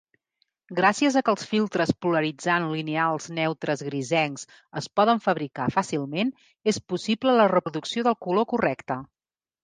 Gràcies a que els filtres polaritzants lineals neutres-grisencs es poden fabricar fàcilment, és possible la reproducció del color correcte.